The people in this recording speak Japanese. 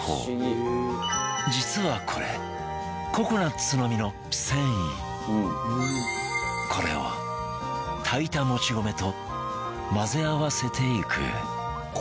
実はこれこれを炊いたもち米と混ぜ合わせていく